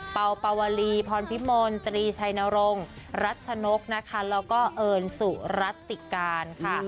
เป่าปาวลีพรพิมลตรีชัยนรงค์รัชนกนะคะแล้วก็เอิญสุรัตติการค่ะ